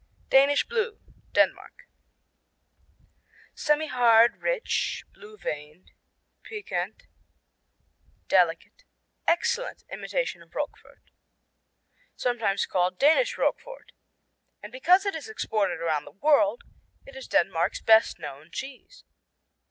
Danish Blue Denmark Semihard, rich, blue veined, piquant, delicate, excellent imitation of Roquefort. Sometimes called "Danish Roquefort," and because it is exported around the world it is Denmark's best known cheese.